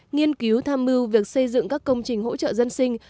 nghiên cứu tham mưu việc xây dựng các công trình hỗ trợ dân sinh